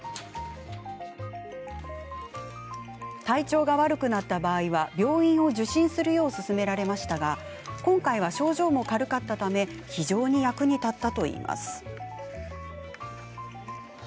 体調が悪くなった場合は病院を受診するよう勧められましたが今回は症状も軽かったため非常に役に立ったといいます。